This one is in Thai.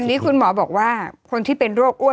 ทีนี้คุณหมอบอกว่าคนที่เป็นโรคอ้วน